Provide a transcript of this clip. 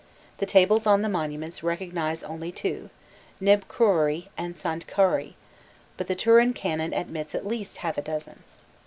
The tables on the monuments recognize only two, Nibkhrouri and Sonkhkari, but the Turin Canon admits at least half a dozen.